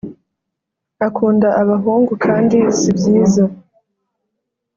akunda abahungu kandi sibyiza